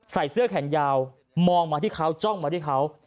ใส่เสื้อแขนยาวมองมาที่เขาจ้องมาที่เขา